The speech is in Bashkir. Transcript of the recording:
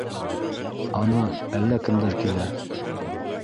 Ана, әллә кемдәр килә.